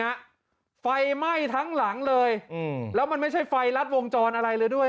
ฮะไฟไหม้ทั้งหลังเลยอืมแล้วมันไม่ใช่ไฟรัดวงจรอะไรเลยด้วย